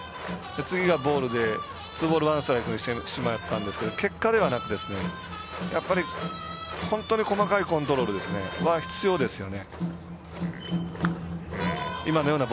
次がボールで、ツーボールワンストライクにしてしまったんですが結果ではなく、やっぱり本当に細かいコントロールは必要ですよね。